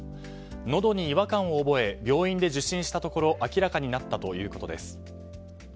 のどに違和感を覚え病院で受診したところ明らかになったということです。